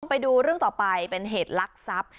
ไปดูเรื่องต่อไปเป็นเหตุลักษัพ